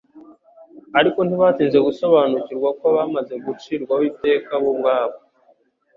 ariko ntibatinze gusobanukirwa ko bamaze kwiciraho iteka bo ubwabo.